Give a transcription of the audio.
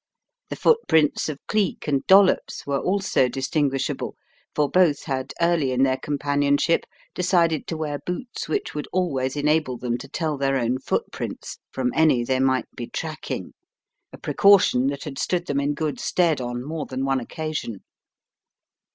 The footprints of Cleek and Dol lops were also distinguishable, for both had early in their companionship decided to wear boots which would always enable them to tell their own foot prints from any they might be tracking, a precaution that had stood them in good stead on more than one occasion.